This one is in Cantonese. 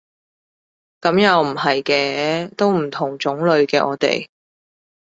噉又唔係嘅，都唔同種類嘅我哋